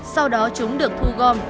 sau đó chúng được thu gom